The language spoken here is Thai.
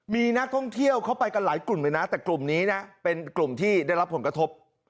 มีนักท่องเที่ยวเข้าไปกันหลายกลุ่มเลยนะแต่กลุ่มนี้นะเป็นกลุ่มที่ได้รับผลกระทบ